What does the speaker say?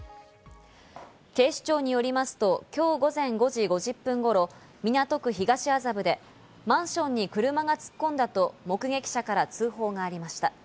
警視庁によりますと今日午前５時５０分頃、港区東麻布でマンションに車が突っ込んだと目撃者から通報がありました。